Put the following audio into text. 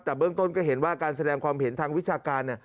แต่เบื้องต้นก็เห็นว่าการแสดงความเห็นทางวิชาการ